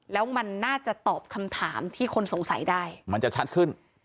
แล้วมันน่าจะตอบคำถามที่คนสงสัยได้มันจะชัดขึ้น